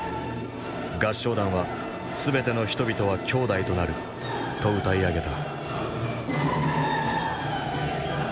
合唱団は「すべての人々は兄弟となる」と歌い上げた。